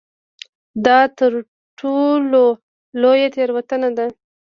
دا تر ټولو لویه تېروتنه ده.